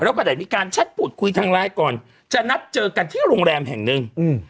แล้วก็ได้มีการแชทพูดคุยทางไลน์ก่อนจะนัดเจอกันที่โรงแรมแห่งหนึ่งอืม